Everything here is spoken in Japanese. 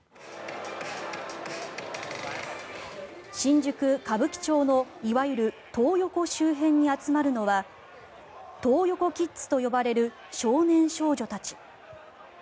新宿・歌舞伎町のいわゆるトー横周辺に集まるのはトー横キッズと呼ばれる少年少女たち。